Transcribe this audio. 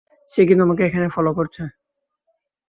সে কি তোমাকে এখানেও ফলো করেছে?